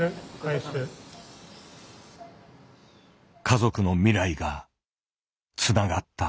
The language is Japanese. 家族の未来がつながった。